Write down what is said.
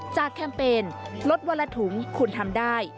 แคมเปญลดวันละถุงคุณทำได้